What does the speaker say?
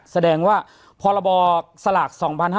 แสดงว่าพอระบอสลาก๒๕๑๗